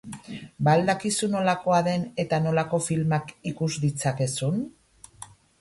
Ba al dakizu nolakoa den eta nolako filmak ikus ditzakezun?